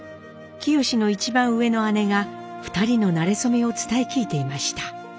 清の一番上の姉が２人のなれそめを伝え聞いていました。